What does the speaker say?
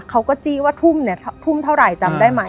เขาก็จี้ว่าทุ่มเท่าไหร่จำได้ไหม